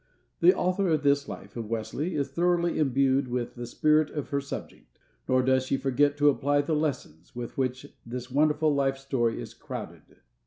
The author of this life of Wesley is thoroughly imbued with the spirit of her subject, nor does she forget to apply the lessons, with which this wonderful life story is crowded.